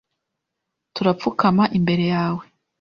Turapfukama imbere yawe.